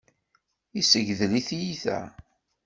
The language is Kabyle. Yessegdel i tyita.